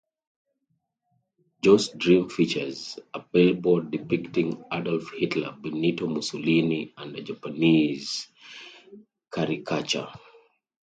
Joe's dream features a billboard depicting Adolf Hitler, Benito Mussolini, and a Japanese caricature.